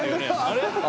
「あれ？」。